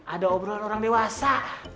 ada obrolan orang dewasa